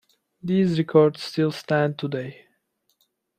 These records still stand today.